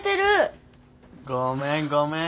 ごめんごめん。